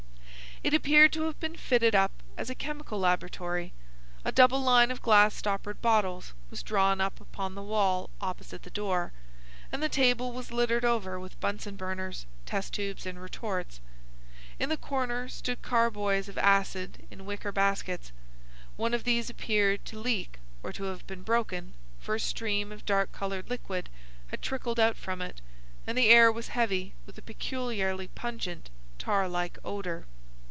It appeared to have been fitted up as a chemical laboratory. A double line of glass stoppered bottles was drawn up upon the wall opposite the door, and the table was littered over with Bunsen burners, test tubes, and retorts. In the corners stood carboys of acid in wicker baskets. One of these appeared to leak or to have been broken, for a stream of dark coloured liquid had trickled out from it, and the air was heavy with a peculiarly pungent, tar like odour.